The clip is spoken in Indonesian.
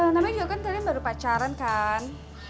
namanya juga kan tadi baru pacaran kan